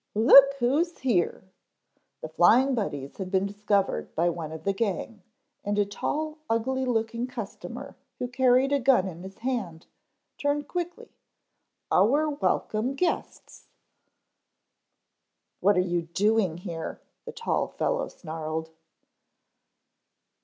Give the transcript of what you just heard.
"Look who's here!" The Flying Buddies had been discovered by one of the gang, and a tall ugly looking customer who carried a gun in his hand, turned quickly. "Our welcome guests." "What are you doing here?" the tall fellow snarled.